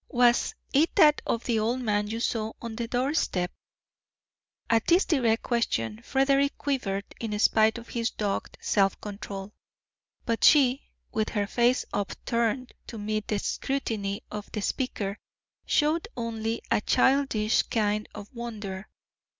Was it that of the old man you saw on the doorstep?" At this direct question Frederick quivered in spite of his dogged self control. But she, with her face upturned to meet the scrutiny of the speaker, showed only a childish kind of wonder.